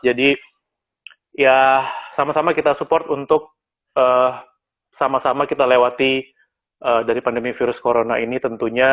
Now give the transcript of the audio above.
jadi ya sama sama kita support untuk sama sama kita lewati dari pandemi virus corona ini tentunya